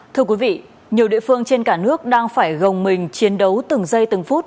thưa quý vị nhiều địa phương trên cả nước đang phải gồng mình chiến đấu từng giây từng phút